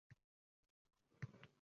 Yangi kitob: “Kuz simfoniyasi”